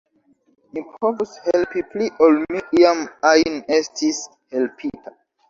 Mi povus helpi pli ol mi iam ajn estis helpita.